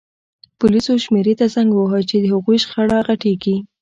پولیسو شمېرې ته زنګ ووهه چې د هغوی شخړه غټیږي